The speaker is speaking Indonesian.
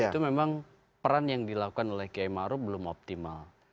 itu memang peran yang dilakukan oleh kiai maruf belum optimal